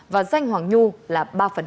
và danh hoàng nhu là ba